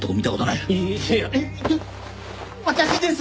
いや私です！